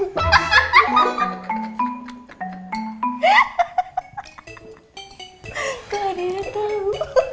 gak ada yang tau